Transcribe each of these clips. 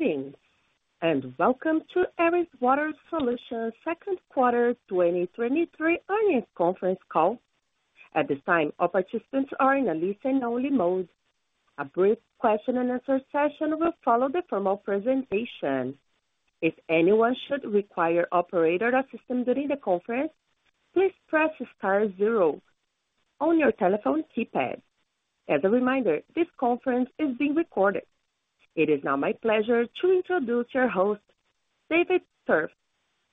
Greetings, and welcome to Aris Water Solutions' second quarter 2023 earnings conference call. At this time, all participants are in a listen-only mode. A brief question and answer session will follow the formal presentation. If anyone should require operator assistance during the conference, please press star zero on your telephone keypad. As a reminder, this conference is being recorded. It is now my pleasure to introduce your host, David Tuerff,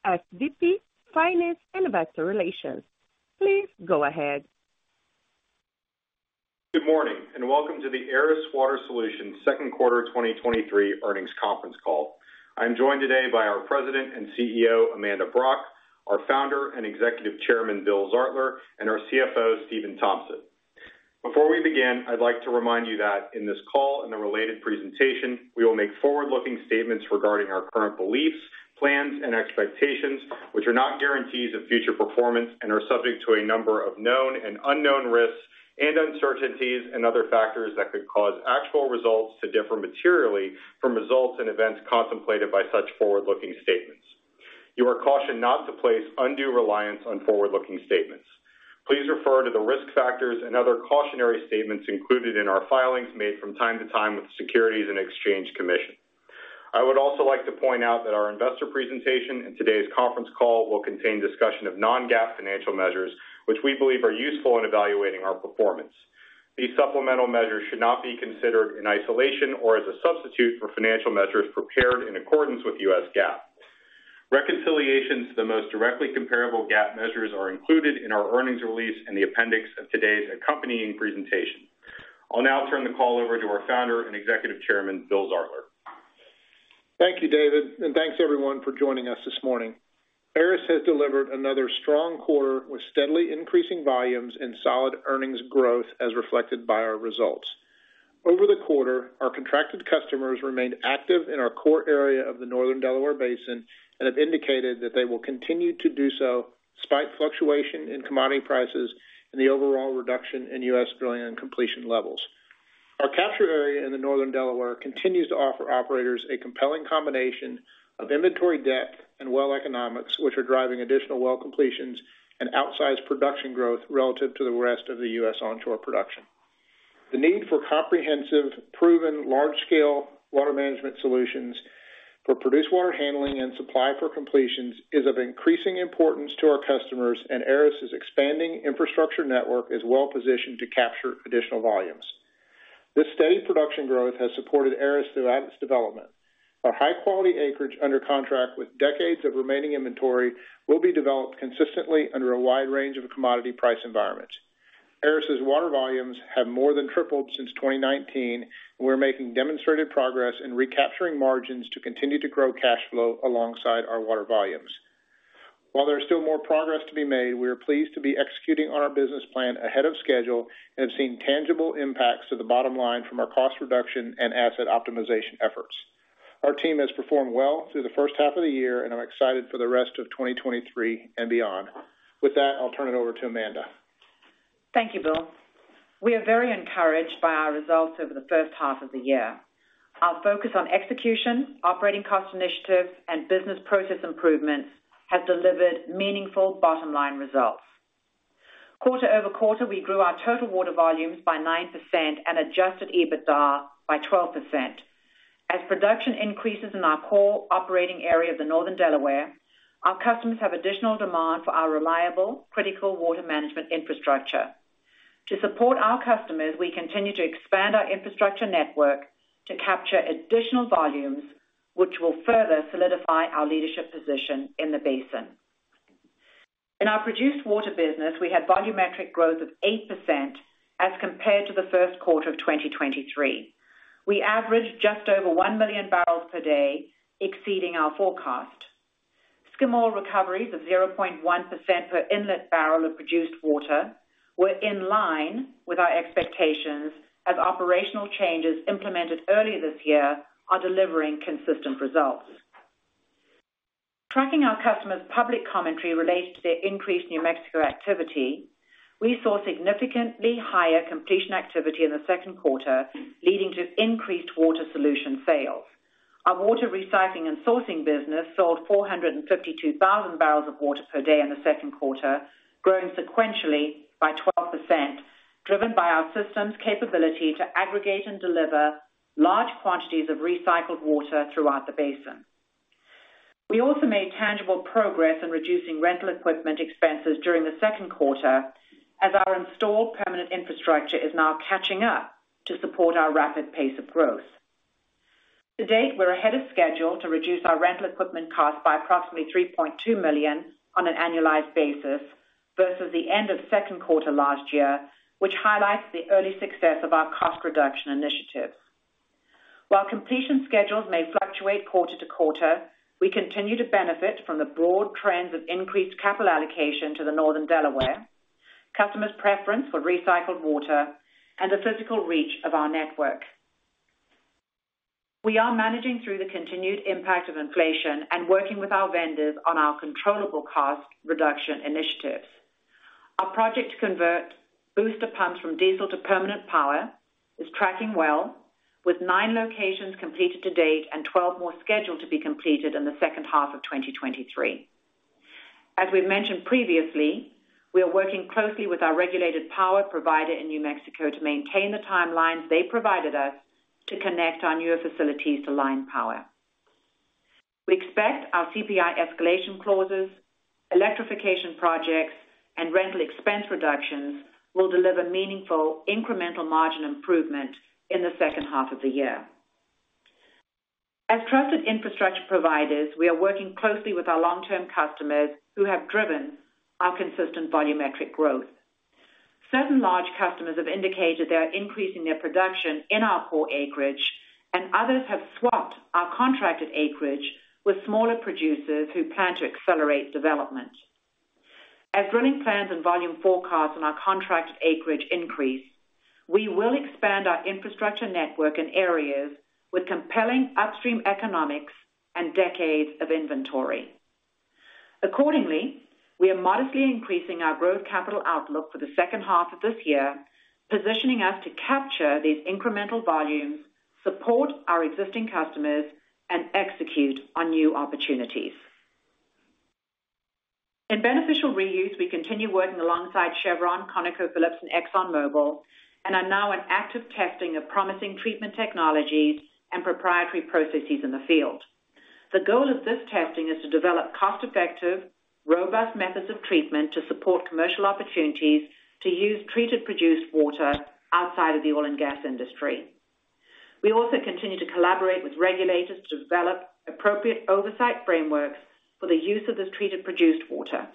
SVP, Finance and Investor Relations. Please go ahead. Good morning, welcome to the Aris Water Solutions second quarter 2023 earnings conference call. I'm joined today by our President and CEO, Amanda Brock, our Founder and Executive Chairman, Bill Zartler, and our CFO, Stephan Tompsett. Before we begin, I'd like to remind you that in this call and the related presentation, we will make forward-looking statements regarding our current beliefs, plans, and expectations, which are not guarantees of future performance and are subject to a number of known and unknown risks and uncertainties and other factors that could cause actual results to differ materially from results and events contemplated by such forward-looking statements. You are cautioned not to place undue reliance on forward-looking statements. Please refer to the risk factors and other cautionary statements included in our filings made from time to time with the Securities and Exchange Commission. I would also like to point out that our investor presentation and today's conference call will contain discussion of Non-GAAP financial measures, which we believe are useful in evaluating our performance. These supplemental measures should not be considered in isolation or as a substitute for financial measures prepared in accordance with U.S. GAAP. Reconciliations to the most directly comparable GAAP measures are included in our earnings release in the appendix of today's accompanying presentation. I'll now turn the call over to our Founder and Executive Chairman, Bill Zartler. Thank you, David, and thanks everyone for joining us this morning. Aris has delivered another strong quarter with steadily increasing volumes and solid earnings growth as reflected by our results. Over the quarter, our contracted customers remained active in our core area of the Northern Delaware Basin and have indicated that they will continue to do so despite fluctuation in commodity prices and the overall reduction in U.S. drilling and completion levels. Our capture area in the Northern Delaware continues to offer operators a compelling combination of inventory depth and well economics, which are driving additional well completions and outsized production growth relative to the rest of the U.S. onshore production. The need for comprehensive, proven, large-scale water management solutions for produced water handling and supply for completions is of increasing importance to our customers. Aris' expanding infrastructure network is well positioned to capture additional volumes. This steady production growth has supported Aris throughout its development. Our high-quality acreage under contract with decades of remaining inventory will be developed consistently under a wide range of commodity price environments. Aris' water volumes have more than tripled since 2019, and we're making demonstrated progress in recapturing margins to continue to grow cash flow alongside our water volumes. While there's still more progress to be made, we are pleased to be executing on our business plan ahead of schedule and have seen tangible impacts to the bottom line from our cost reduction and asset optimization efforts. Our team has performed well through the first half of the year, and I'm excited for the rest of 2023 and beyond. With that, I'll turn it over to Amanda. Thank you, Bill. We are very encouraged by our results over the first half of the year. Our focus on execution, operating cost initiatives, and business process improvements have delivered meaningful bottom-line results. Quarter-over-quarter, we grew our total water volumes by 9% and Adjusted EBITDA by 12%. As production increases in our core operating area of the Northern Delaware, our customers have additional demand for our reliable, critical water management infrastructure. To support our customers, we continue to expand our infrastructure network to capture additional volumes, which will further solidify our leadership position in the basin. In our produced water business, we had volumetric growth of 8% as compared to the first quarter of 2023. We averaged just over 1 MMbbl/day, exceeding our forecast. Skim oil recoveries of 0.1% per inlet barrel of produced water were in line with our expectations, as operational changes implemented earlier this year are delivering consistent results. Tracking our customers' public commentary related to their increased New Mexico activity, we saw significantly higher completion activity in the second quarter, leading to increased water solution sales. Our water recycling and sourcing business sold 452,000 barrels of water per day in the second quarter, growing sequentially by 12%, driven by our system's capability to aggregate and deliver large quantities of recycled water throughout the basin. We also made tangible progress in reducing rental equipment expenses during the second quarter, as our installed permanent infrastructure is now catching up to support our rapid pace of growth. To date, we're ahead of schedule to reduce our rental equipment cost by approximately $3.2 million on an annualized basis versus the end of second quarter last year, which highlights the early success of our cost reduction initiatives. While completion schedules may fluctuate quarter to quarter, we continue to benefit from the broad trends of increased capital allocation to the Northern Delaware, customers' preference for recycled water, and the physical reach of our network. We are managing through the continued impact of inflation and working with our vendors on our controllable cost reduction initiatives. Our project to convert booster pumps from diesel to permanent power is tracking well, with nine locations completed to date and 12 more scheduled to be completed in the second half of 2023. As we've mentioned previously, we are working closely with our regulated power provider in New Mexico to maintain the timelines they provided us to connect our newer facilities to line power. We expect our CPI escalation clauses, electrification projects, and rental expense reductions will deliver meaningful incremental margin improvement in the second half of the year. As trusted infrastructure providers, we are working closely with our long-term customers who have driven our consistent volumetric growth. Certain large customers have indicated they are increasing their production in our core acreage, and others have swapped our contracted acreage with smaller producers who plan to accelerate development. As drilling plans and volume forecasts on our contracted acreage increase, we will expand our infrastructure network in areas with compelling upstream economics and decades of inventory. Accordingly, we are modestly increasing our growth capital outlook for the second half of this year, positioning us to capture these incremental volumes, support our existing customers, and execute on new opportunities. In beneficial reuse, we continue working alongside Chevron, ConocoPhillips, and ExxonMobil, and are now in active testing of promising treatment technologies and proprietary processes in the field. The goal of this testing is to develop cost-effective, robust methods of treatment to support commercial opportunities to use treated produced water outside of the oil and gas industry. We also continue to collaborate with regulators to develop appropriate oversight frameworks for the use of this treated produced water.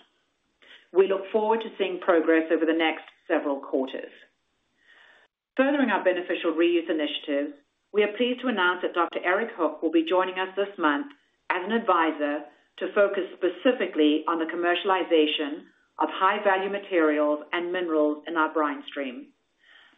We look forward to seeing progress over the next several quarters. Furthering our beneficial reuse initiative, we are pleased to announce that Dr. Eric Hoek will be joining us this month as an advisor to focus specifically on the commercialization of high-value materials and minerals in our brine stream.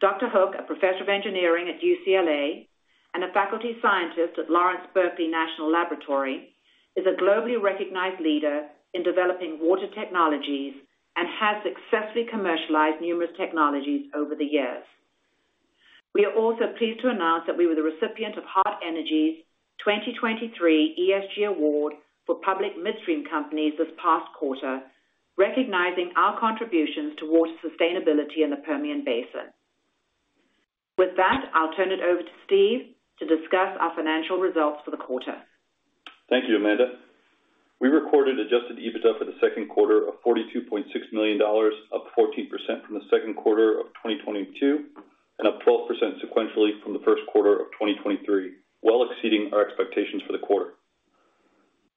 Dr. Hoek, a professor of engineering at UCLA and a faculty scientist at Lawrence Berkeley National Laboratory, is a globally recognized leader in developing water technologies and has successfully commercialized numerous technologies over the years. We are also pleased to announce that we were the recipient of Hart Energy's 2023 ESG Award for public midstream companies this past quarter, recognizing our contributions towards sustainability in the Permian Basin. With that, I'll turn it over to Steve to discuss our financial results for the quarter. Thank you, Amanda. We recorded Adjusted EBITDA for the second quarter of $42.6 million, up 14% from the second quarter of 2022, and up 12% sequentially from the first quarter of 2023, well exceeding our expectations for the quarter.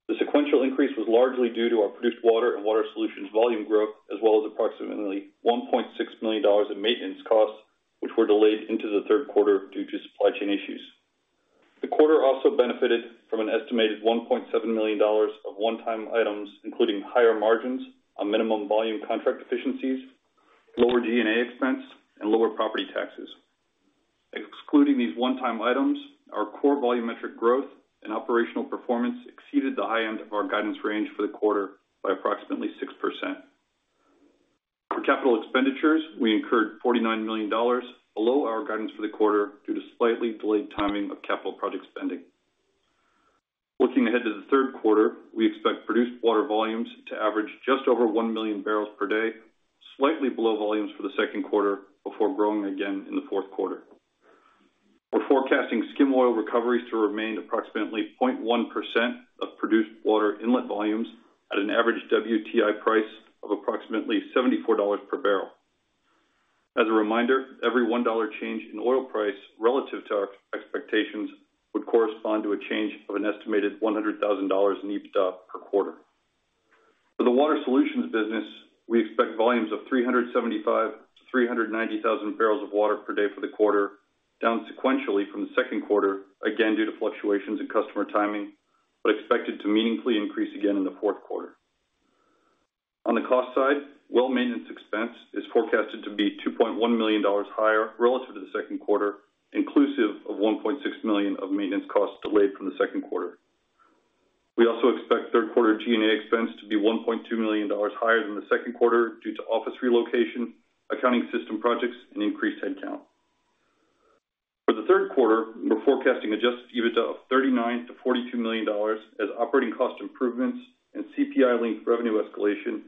The sequential increase was largely due to our produced water and water solutions volume growth, as well as approximately $1.6 million in maintenance costs, which were delayed into the third quarter due to supply chain issues. The quarter also benefited from an estimated $1.7 million of one-time items, including higher margins on minimum volume contract efficiencies, lower G&A expense, and lower property taxes. Excluding these one-time items, our core volumetric growth and operational performance exceeded the high end of our guidance range for the quarter by approximately 6%. For capital expenditures, we incurred $49 million below our guidance for the quarter due to slightly delayed timing of capital project spending. Looking ahead to the third quarter, we expect produced water volumes to average just over 1 million barrels per day, slightly below volumes for the second quarter, before growing again in the fourth quarter. We're forecasting skim oil recoveries to remain approximately 0.1% of produced water inlet volumes at an average WTI price of approximately $74 per barrel. As a reminder, every $1 change in oil price relative to our expectations would correspond to a change of an estimated $100,000 in EBITDA per quarter. For the water solutions business, we expect volumes of 375,000-390,000 barrels of water per day for the quarter, down sequentially from the second quarter, again, due to fluctuations in customer timing, but expected to meaningfully increase again in the fourth quarter. On the cost side, well maintenance expense is forecasted to be $2.1 million higher relative to the second quarter, inclusive of $1.6 million of maintenance costs delayed from the second quarter. We also expect third quarter G&A expense to be $1.2 million higher than the second quarter due to office relocation, accounting system projects, and increased headcount. For the third quarter, we're forecasting Adjusted EBITDA of $39 million-$42 million, as operating cost improvements and CPI-linked revenue escalation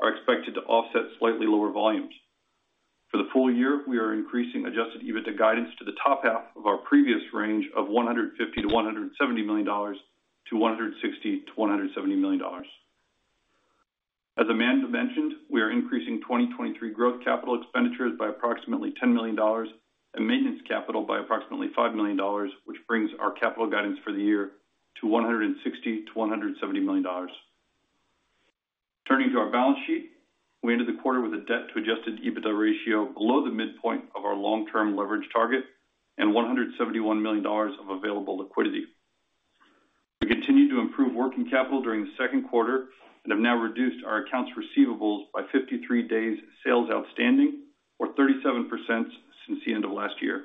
are expected to offset slightly lower volumes. For the full year, we are increasing Adjusted EBITDA guidance to the top half of our previous range of $150 million-$170 million to $160 million-$170 million. As Amanda mentioned, we are increasing 2023 growth capital expenditures by approximately $10 million and maintenance capital by approximately $5 million, which brings our capital guidance for the year to $160 million-$170 million. Turning to our balance sheet, we ended the quarter with a debt to Adjusted EBITDA ratio below the midpoint of our long-term leverage target and $171 million of available liquidity. We continued to improve working capital during the second quarter and have now reduced our accounts receivables by 53 days sales outstanding, or 37% since the end of last year.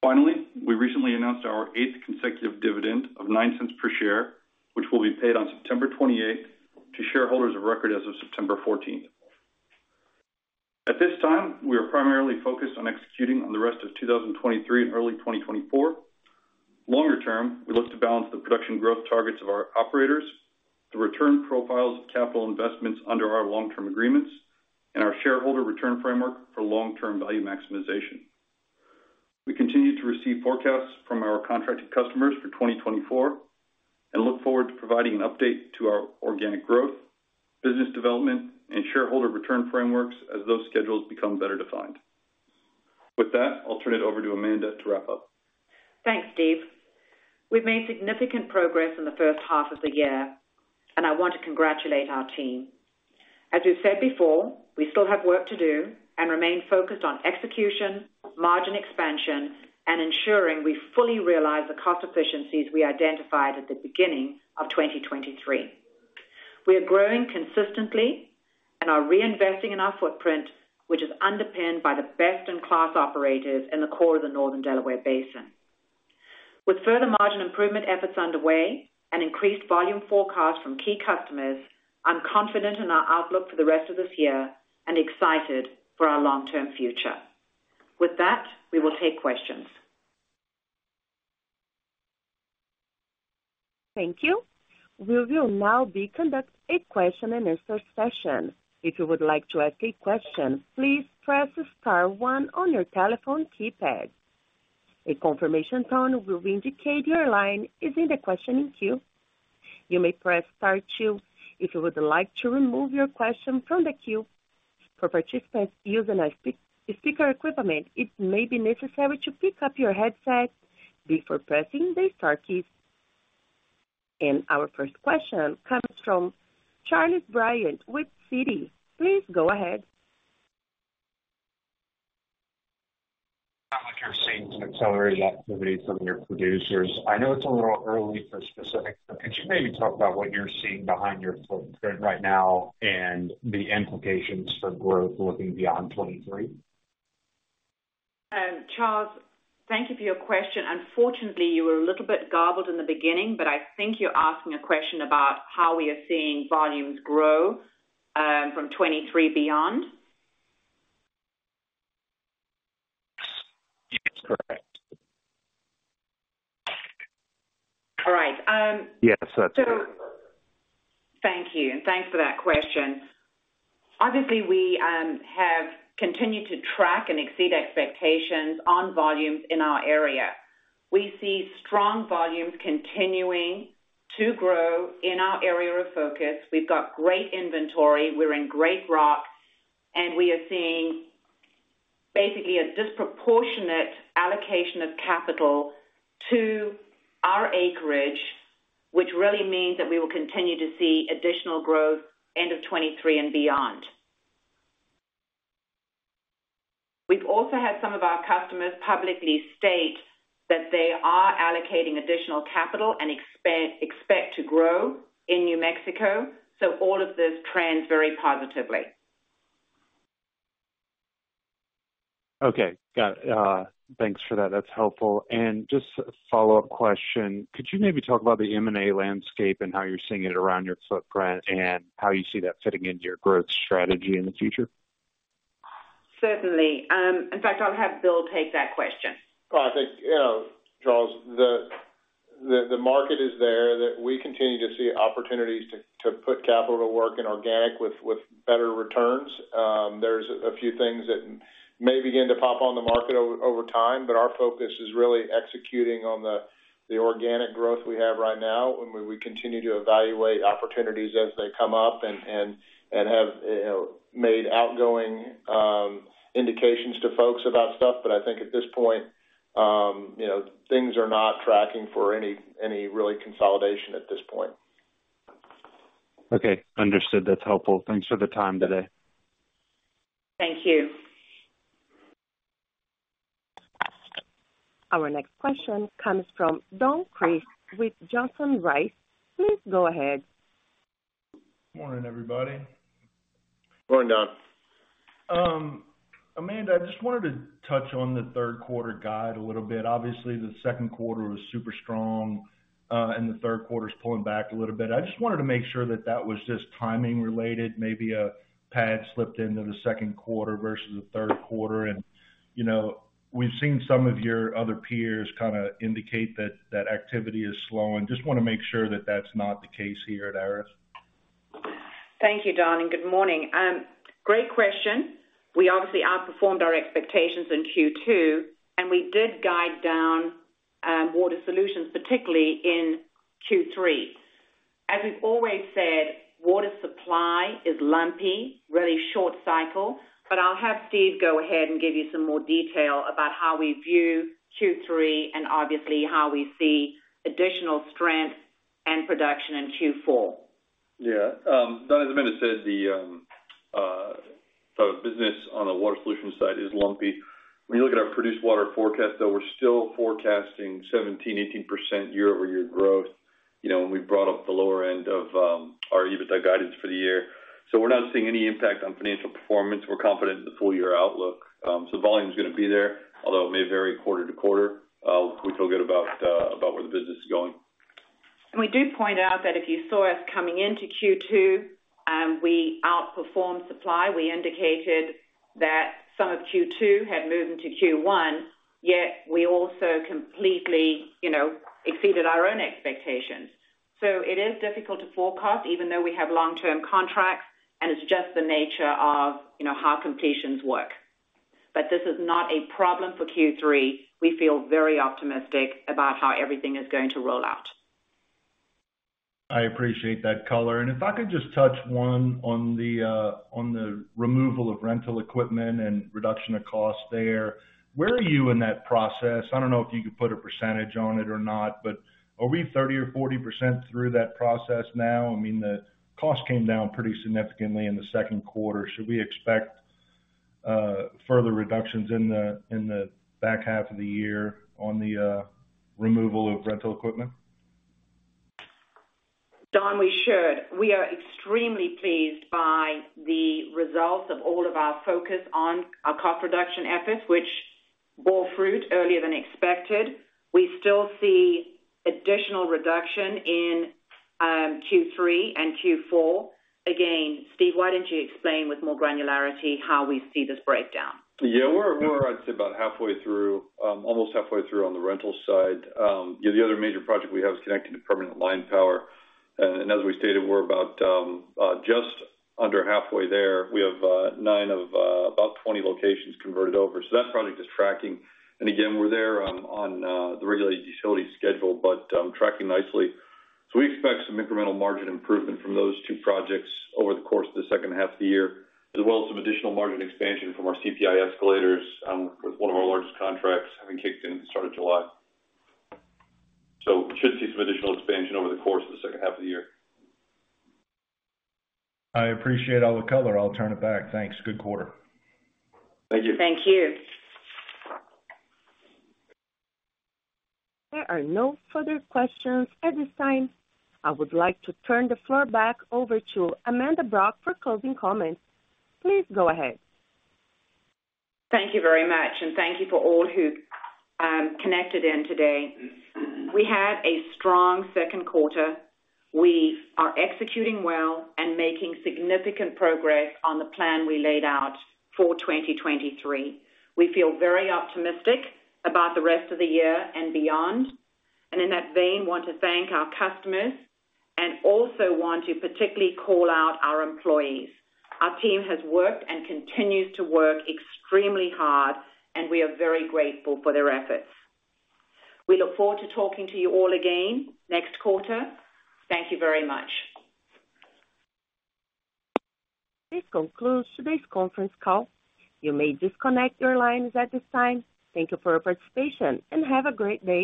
Finally, we recently announced our eighth consecutive dividend of $0.09 per share, which will be paid on September 28th, to shareholders of record as of September 14th. At this time, we are primarily focused on executing on the rest of 2023 and early 2024. Longer term, we look to balance the production growth targets of our operators, the return profiles of capital investments under our long-term agreements, and our shareholder return framework for long-term value maximization. We continue to receive forecasts from our contracted customers for 2024, and look forward to providing an update to our organic growth, business development, and shareholder return frameworks as those schedules become better defined. With that, I'll turn it over to Amanda to wrap up. Thanks, Steve. We've made significant progress in the first half of the year, and I want to congratulate our team. As we've said before, we still have work to do and remain focused on execution, margin expansion, and ensuring we fully realize the cost efficiencies we identified at the beginning of 2023. We are growing consistently and are reinvesting in our footprint, which is underpinned by the best-in-class operators in the core of the Northern Delaware Basin. With further margin improvement efforts underway and increased volume forecasts from key customers, I'm confident in our outlook for the rest of this year and excited for our long-term future. With that, we will take questions. Thank you. We will now be conducting a question-and-answer session. If you would like to ask a question, please press star one on your telephone keypad. A confirmation tone will indicate your line is in the questioning queue. You may press star two if you would like to remove your question from the queue. For participants using a speaker equipment, it may be necessary to pick up your headset before pressing the star key. Our first question comes from Charles Bryant with Citi. Please go ahead. How much you're seeing to accelerate the activity from your producers? I know it's a little early for specifics, but could you maybe talk about what you're seeing behind your footprint right now and the implications for growth looking beyond 2023? Charles, thank you for your question. Unfortunately, you were a little bit garbled in the beginning. I think you're asking a question about how we are seeing volumes grow, from 2023 beyond. Yes, correct. All right. Yes, that's it. Thank you, and thanks for that question. Obviously, we have continued to track and exceed expectations on volumes in our area. We see strong volumes continuing to grow in our area of focus. We've got great inventory, we're in great rock, and we are seeing basically a disproportionate allocation of capital to our acreage, which really means that we will continue to see additional growth end of 2023 and beyond. We've also had some of our customers publicly state that they are allocating additional capital and expect to grow in New Mexico, all of those trends very positively. Okay, got it. Thanks for that. That's helpful. Just a follow-up question, could you maybe talk about the M&A landscape and how you're seeing it around your footprint and how you see that fitting into your growth strategy in the future? Certainly. In fact, I'll have Bill take that question. Well, I think, you know, Charles, the, the, the market is there, that we continue to see opportunities to, to put capital to work in organic with, with better returns. There's a few things that may begin to pop on the market over time, but our focus is really executing on the, the organic growth we have right now, and we, we continue to evaluate opportunities as they come up and, and, and have made outgoing indications to folks about stuff. I think at this point, you know, things are not tracking for any, any really consolidation at this point. Okay, understood. That's helpful. Thanks for the time today. Thank you. Our next question comes from Don Crist with Johnson Rice. Please go ahead. Morning, everybody. Morning, Don. Amanda, I just wanted to touch on the third quarter guide a little bit. Obviously, the second quarter was super strong, and the third quarter is pulling back a little bit. I just wanted to make sure that that was just timing related, maybe a pad slipped into the second quarter versus the third quarter. You know, we've seen some of your other peers kinda indicate that that activity is slowing. Just wanna make sure that that's not the case here at Aris. Thank you, Don, and good morning. Great question. We obviously outperformed our expectations in Q2, and we did guide down water solutions, particularly in Q3. As we've always said, water supply is lumpy, really short cycle. I'll have Steve go ahead and give you some more detail about how we view Q3 and obviously how we see additional strength and production in Q4. Yeah. Don, as Amanda said, the business on the water solution side is lumpy. When you look at our produced water forecast, though, we're still forecasting 17%-18% YOY growth. You know, we brought up the lower end of our EBITDA guidance for the year. We're not seeing any impact on financial performance. We're confident in the full year outlook. Volume is gonna be there, although it may vary quarter to quarter. We feel good about where the business is going. We do point out that if you saw us coming into Q2, we outperformed supply. We indicated that some of Q2 had moved into Q1, yet we also completely, you know, exceeded our own expectations. It is difficult to forecast, even though we have long-term contracts, and it's just the nature of, you know, how completions work. This is not a problem for Q3. We feel very optimistic about how everything is going to roll out. I appreciate that color. If I could just touch one on the on the removal of rental equipment and reduction of costs there, where are you in that process? I don't know if you could put a percentage on it or not, but are we 30% or 40% through that process now? I mean, the cost came down pretty significantly in the second quarter. Should we expect further reductions in the in the back half of the year on the removal of rental equipment? Don, we should. We are extremely pleased by the results of all of our focus on our cost reduction efforts, which bore fruit earlier than expected. We still see additional reduction in Q3 and Q4. Again, Steve, why don't you explain with more granularity how we see this breakdown? Yeah, we're, we're, I'd say, about halfway through, almost halfway through on the rental side. The other major project we have is connecting to permanent line power. As we stated, we're about just under halfway there. We have nine of about 20 locations converted over, so that project is tracking. Again, we're there on the regulated utility schedule, but tracking nicely. We expect some incremental margin improvement from those two projects over the course of the second half of the year, as well as some additional margin expansion from our CPI escalators, with one of our largest contracts having kicked in at the start of July. We should see some additional expansion over the course of the second half of the year. I appreciate all the color. I'll turn it back. Thanks. Good quarter. Thank you. Thank you. There are no further questions at this time. I would like to turn the floor back over to Amanda Brock for closing comments. Please go ahead. Thank you very much, and thank you for all who, connected in today. We had a strong second quarter. We are executing well and making significant progress on the plan we laid out for 2023. We feel very optimistic about the rest of the year and beyond, in that vein, want to thank our customers and also want to particularly call out our employees. Our team has worked and continues to work extremely hard, and we are very grateful for their efforts. We look forward to talking to you all again next quarter. Thank you very much. This concludes today's conference call. You may disconnect your lines at this time. Thank you for your participation, and have a great day.